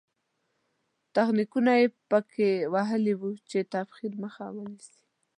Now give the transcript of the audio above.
تخنیکونه یې په کې وهلي وو چې تبخیر مخه ونیسي.